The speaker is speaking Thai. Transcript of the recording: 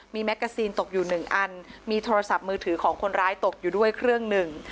มีแมกกาซีนตกอยู่หนึ่งอันมีโทรศัพท์มือถือของคนร้ายตกอยู่ด้วยเครื่องหนึ่ง